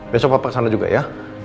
besok papa ke sana juga ya